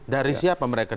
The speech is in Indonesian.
dari siapa mereka